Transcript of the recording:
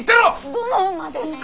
どの馬ですか？